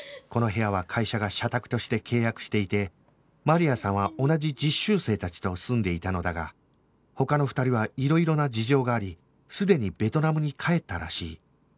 この部屋は会社が社宅として契約していてマリアさんは同じ実習生たちと住んでいたのだが他の２人はいろいろな事情がありすでにベトナムに帰ったらしい